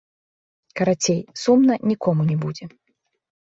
Карацей, сумна нікому не будзе!!!